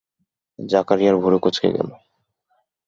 জাকারিয়ার ভুরু কুঁচকে গেল।